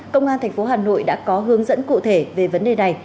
công an thành phố hà nội đã có hướng dẫn cụ thể về vấn đề này